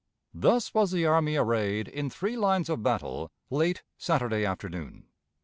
Thus was the army arrayed in three lines of battle late Saturday afternoon.